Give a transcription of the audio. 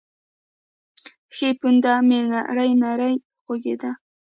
ښۍ پونده مې نرۍ نرۍ خوږېده.